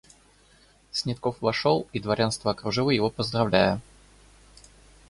Снетков вошел, и дворянство окружило его поздравляя.